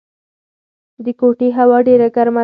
د کوټې هوا ډېره ګرمه ده.